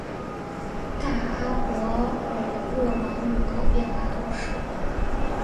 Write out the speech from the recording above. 大阿伯尔热芒人口变化图示